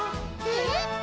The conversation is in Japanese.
えっ？